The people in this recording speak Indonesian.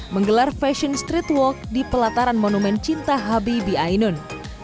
menggelar fashion streetwalk di pelataran monumen cinta habibie ainun